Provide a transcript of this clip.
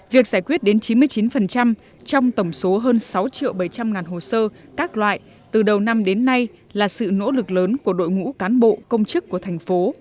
việc giải quyết đến chín mươi chín trong tổng số hơn sáu triệu bảy trăm linh ngàn hồ sơ các loại từ đầu năm đến nay là sự nỗ lực lớn của đội ngũ cán bộ công chức của thành phố